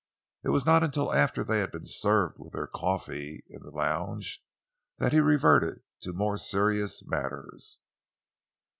It was not until after they had been served with their coffee in the lounge that he reverted to more serious matters.